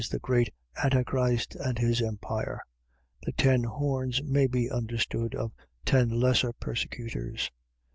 the great Antichrist and his empire. The ten horns may be understood of ten lesser persecutors.